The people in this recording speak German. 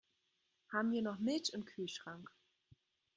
Haben wir noch Milch im Kühlschrank?